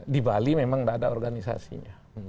di bali memang tidak ada organisasi nya